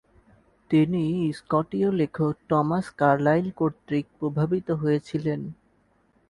তিনি স্কটীয় লেখক Thomas Carlyle কর্তৃক প্রভাবিত হয়েছিলেন।